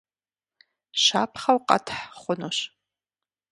Щапхъэу къэтхь хъунущ.